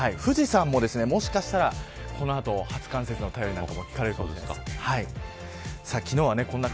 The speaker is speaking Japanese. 富士山も、もしかしたらこの後、初冠雪の便りが聞かれるかもしれません。